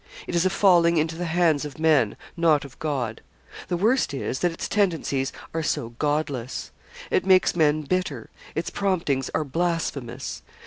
It is a falling into the hands of men, not of God. The worst is, that its tendencies are so godless. It makes men bitter; its promptings are blasphemous.